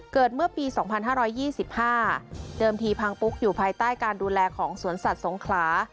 เกิดเมื่อปี๒๕๒๕เดิมทีพังปุ๊กอยู่ภายใต้การดูแลของสวนสัตว์สงขลา